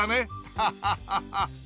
ハハハハ！